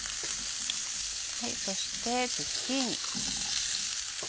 そしてズッキーニ。